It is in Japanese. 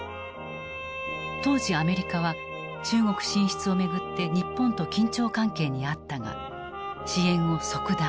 当時アメリカは中国進出を巡って日本と緊張関係にあったが支援を即断。